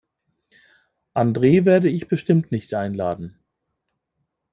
Andre werde ich bestimmt nicht einladen.